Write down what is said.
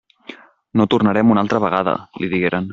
«No tornarem una altra vegada», li digueren.